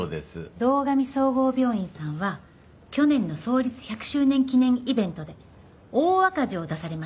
堂上総合病院さんは去年の創立１００周年記念イベントで大赤字を出されましたよね。